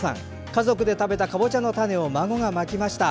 家族で食べたかぼちゃの種を孫がまきました。